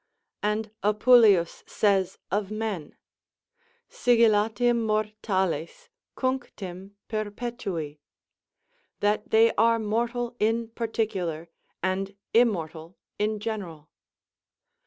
And Apuleius says of men: Sigillatim mortales, cunctim perpetui. "That they are mortal in particular, and immortal in general."